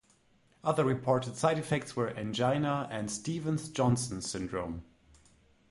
Other reported side-effects were angina and Stevens-Johnson syndrome.